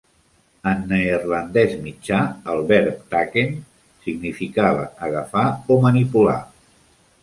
En neerlandès mitjà, el verb "tacken" significava agafar o manipular.